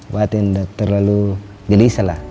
bahkan terlalu gelisah lah